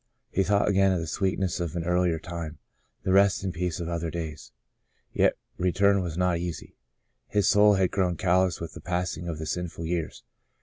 He thought again on the sweetness of an earlier time — the rest and peace of other days. Yet return was not easy. His soul had grown callous with the passing of the sinful years.